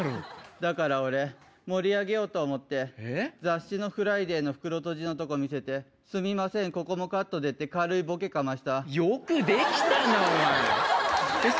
だから俺、盛り上げようと思って、雑誌のフライデーの袋とじのとこ見せて、すみません、ここもカットでって、よくできたな、お前。